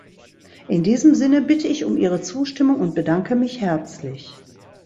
In diesem Sinne bitte ich um Ihre Zustimmung und bedanke mich herzlich.